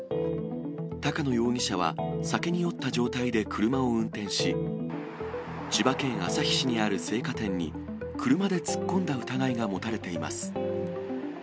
高野容疑者は、酒に酔った状態で車を運転し、千葉県旭市にある青果店に車で突っ込んだ疑いが持たれています。